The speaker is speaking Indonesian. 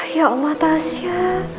ya allah tasya